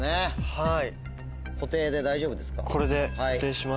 はい。